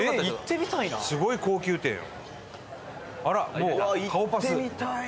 すごい高級店よ。